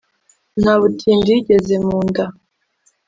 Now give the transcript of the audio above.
Nta butindi yigeze mu nda.